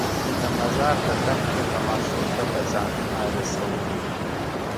د مزار د دښتو تماشو ته به ځانونه رسوو.